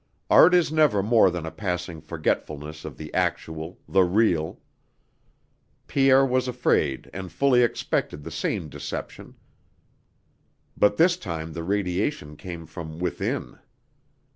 Art is never more than a passing forgetfulness of the actual, the real. Pierre was afraid and fully expected the same deception. But this time the radiation came from within.